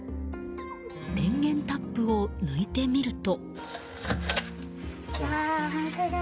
電源タップを抜いてみると。